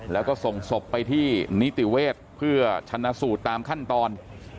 แล้วก็ส่งศพไปที่นิติเวชเพื่อชนะสูตรตามขั้นตอน